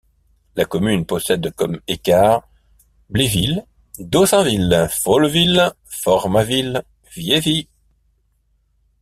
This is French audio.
La commune possède comme écarts Bléville, Dossainville, Folleville, Formarville, Viévy.